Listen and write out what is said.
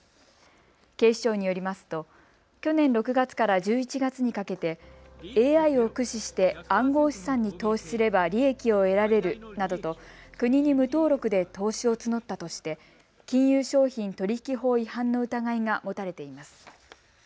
警視庁によりますと去年６月から１１月にかけてＡＩを駆使して暗号資産に投資すれば利益を得られるなどと国に無登録で投資を募ったとして金融商品取引法違反の疑いが持たれています。